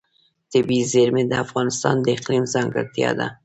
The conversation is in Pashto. طبیعي زیرمې د افغانستان د اقلیم ځانګړتیا ده.